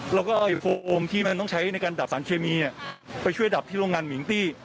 เราก็เอาโฟลโอมที่มันต้องใช้ในการดับสารเคมีไปช่วยดับที่โรงงานมิงตี้